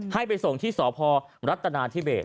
ให้ไปส่งที่สพรัฐนาธิเบส